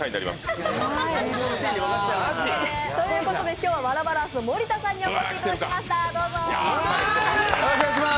今日は、ワラバランス盛田さんにお越しいただきます。